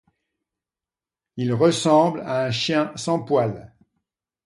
Il ressemble à un chien sans poil.